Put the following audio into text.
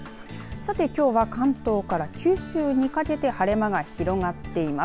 さて、きょうは関東から九州にかけて晴れ間が広がっています。